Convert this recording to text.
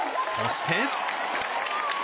そして。